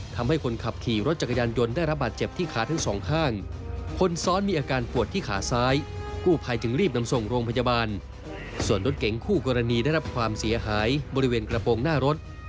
ทางนี้ได้รับความเสียหายบริเวณกระโปรงหน้ารถ